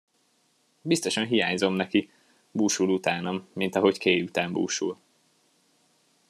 Biztosan hiányzom neki, búsul utánam, mint ahogy Kay után búsul.